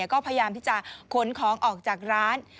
ก็พยายามที่จะขนของออกจากร้าน